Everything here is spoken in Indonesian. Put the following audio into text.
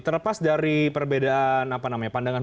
terlepas dari perbedaan pandangan